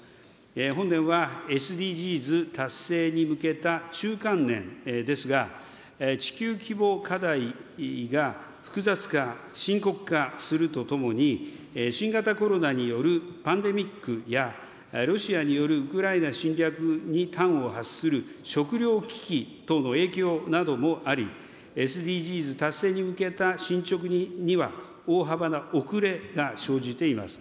本年はＳＤＧｓ達成に向けた、中間年ですが、地球規模課題が複雑化、深刻化するとともに、新型コロナによるパンデミックや、ロシアによるウクライナ侵略に端を発する食料危機等の影響などもあり、ＳＤＧｓ達成に向けた進捗には、大幅な遅れが生じています。